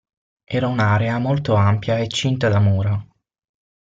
Era un'area molto ampia e cinta da mura.